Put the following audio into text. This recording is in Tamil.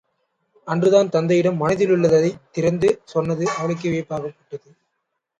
அன்று தன் தந்தையிடம் மனத்திலுள்ளதைத் திறந்து சொன்னது, அவளுக்கே வியப்பாகப்பட்டது.